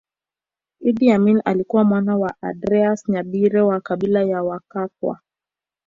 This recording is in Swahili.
Idi Amin alikuwa mwana wa Andreas Nyabire wa kabila la Wakakwa